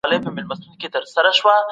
استازو د سولي پروسه ګړندۍ کړه.